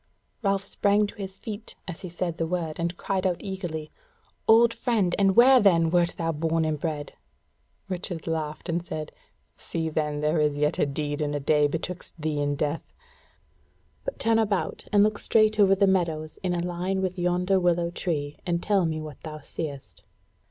Ralph sprang to his feet as he said the word, and cried out eagerly: "Old friend, and where then wert thou bred and born?" Richard laughed and said: "See, then, there is yet a deed and a day betwixt thee and death! But turn about and look straight over the meadows in a line with yonder willow tree, and tell me what thou seest."